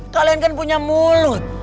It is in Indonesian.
kalian kan punya mulut